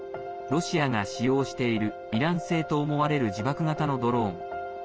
ロシアが使用しているイラン製と思われる自爆型のドローン。